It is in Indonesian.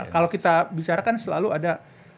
kalau kita bicara kan selalu ada